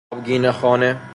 آبگینه خانه